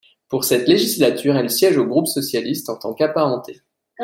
Pour cette législature, elle siège au groupe socialiste en tant qu'apparentée.